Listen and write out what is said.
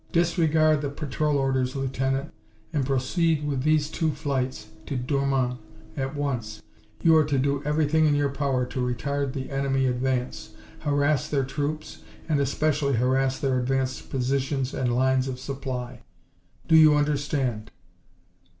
Disregard the patrol orders, Lieutenant, and proceed with these two flights to Dormans at once! You are to do everything in your power to retard the enemy advance, harass their troops, and especially harass their advanced positions and lines of supply. Do you understand?"